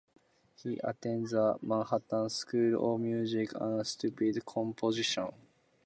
He attended the Manhattan School of Music and studied composition.